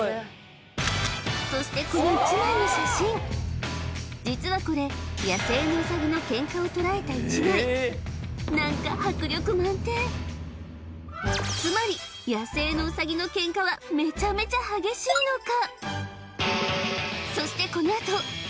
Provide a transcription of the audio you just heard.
そしてこの一枚の写真実はこれ野生のウサギのケンカを捉えた一枚何かつまり野生のウサギのケンカはめちゃめちゃ激しいのか？